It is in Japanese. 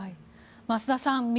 増田さん